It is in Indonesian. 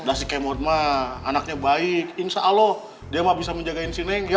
nah si kemot mah anaknya baik insya allah dia mah bisa menjaga si neng ya